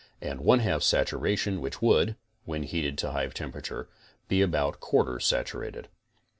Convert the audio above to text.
and 1 2 satuation which would, when heated to hive temperature, be about 1 4 saturated.